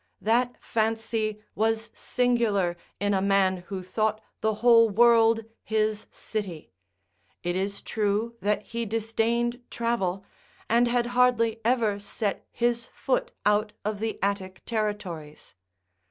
That fancy was singular in a man who thought the whole world his city; it is true that he disdained travel, and had hardly ever set his foot out of the Attic territories.